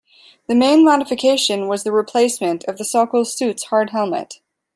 The main modification was the replacement of the Sokol suit's hard helmet.